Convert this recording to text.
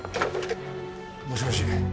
もしもし。